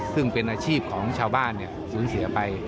ซึ่งเป็นอาชีพของชาวบ้านสูญเสียไป